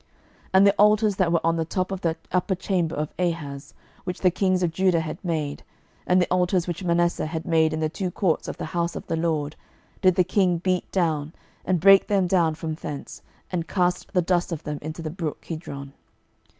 12:023:012 And the altars that were on the top of the upper chamber of Ahaz, which the kings of Judah had made, and the altars which Manasseh had made in the two courts of the house of the LORD, did the king beat down, and brake them down from thence, and cast the dust of them into the brook Kidron.